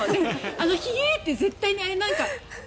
あのひえー！って絶対なんか。